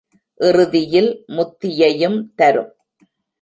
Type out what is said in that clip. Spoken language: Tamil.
இறுதியில் முத்தியையும் தரும்.